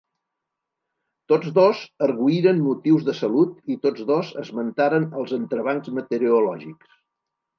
Tots dos arguïren motius de salut i tots dos esmentaren els entrebancs meteorològics.